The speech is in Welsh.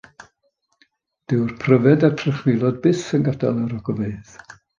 Dyw'r pryfed a'r trychfilod byth yn gadael yr ogofeydd.